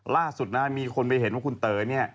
ล่าสุดนะมีคนไปเห็นว่าคุณเต๋อเนี่ย